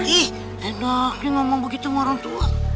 ih enak nih ngomong begitu sama orang tua